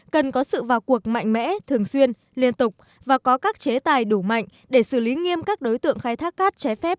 cần có sự vào cuộc mạnh mẽ thường xuyên liên tục và có các chế tài đủ mạnh để xử lý nghiêm các đối tượng khai thác cát trái phép